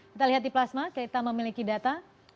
kita lihat di plasma kita memiliki data